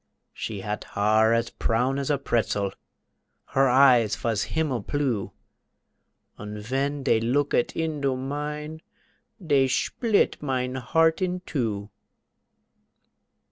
She hat haar as prown ash a pretzel, Her eyes vas himmel plue, Und ven dey looket indo mine, Dey shplit mine heart in two.